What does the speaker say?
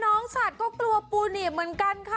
สัตว์ก็กลัวปูหนีบเหมือนกันค่ะ